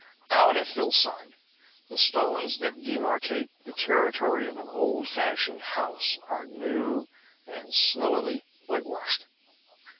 Out at Hillside the stones that demarcate the territory of an old fashioned house are new and snowily whitewashed.